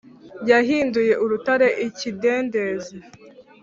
Yahinduye urutare ikidendezi